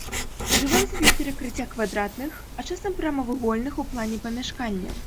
Ужываўся для перакрыцця квадратных, а часам прамавугольных у плане памяшканняў.